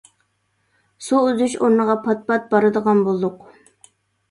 سۇ ئۈزۈش ئورنىغا پات-پات بارىدىغان بولدۇق.